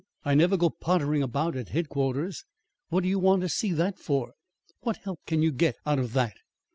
I never go pottering about at Headquarters. What do you want to see that for? What help can you get out of that?"